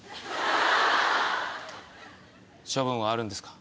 処分はあるんですか？